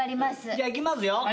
じゃあいきますよ。